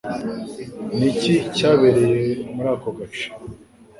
Ni iki cyabereye muri ako gace?